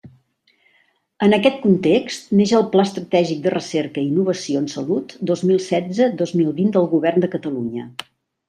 En aquest context, neix el Pla estratègic de recerca i innovació en salut dos mil setze dos mil vint del Govern de Catalunya.